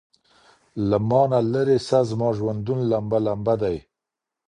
له مانه ليري سه زما ژوندون لمبه ،لمبه دی